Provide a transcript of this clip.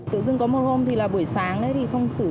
tự dưng có một hôm thì là buổi sáng thì không sử dụng